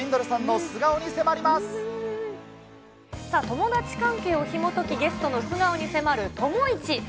さあ、友達関係をひもとき、ゲストの素顔に迫る友イチ。